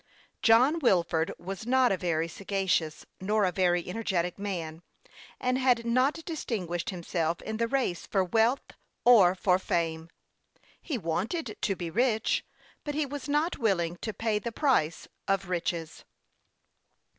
John Wilford was not a very sa gacious nor a very energetic man, and had not dis tinguished himself in the race for wealth or for fame. He wanted to be rich, but he was not willing to pay the price of riches.